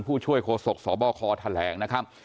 ผู้ช่วยโฆษกสบคแถลงนะครับ